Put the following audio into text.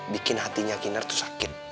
bikin hatinya kinar tuh sakit